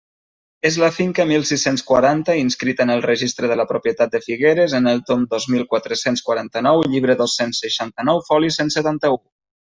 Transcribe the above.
És la finca mil sis-cents quaranta, inscrita en el Registre de la Propietat de Figueres, en el tom dos mil quatre-cents quaranta-nou, llibre dos-cents seixanta-nou, foli cent setanta-u.